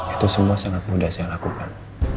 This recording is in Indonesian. itu semua sangat mudah saya lakukan